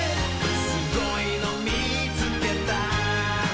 「すごいのみつけた」